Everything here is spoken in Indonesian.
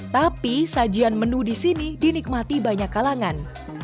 tapi sajian menu di sini dinikmati banyak kalangan